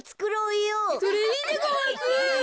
それいいでごわす！